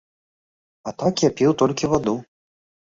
А так, я піў толькі ваду.